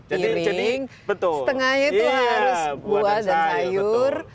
rekening setengahnya itu harus buah dan sayur